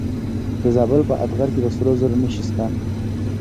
د زابل په اتغر کې د سرو زرو نښې شته.